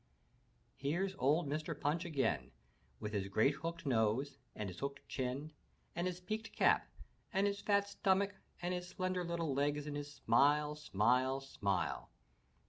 Here's old Mr. Punch again, with his great hooked nose, and his hooked chin, and his peaked cap, and his fat stomach and his slender little legs and his smile, smile, smile!